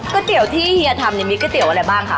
เตี๋ยวที่เฮียทำเนี่ยมีก๋วยเตี๋ยวอะไรบ้างคะ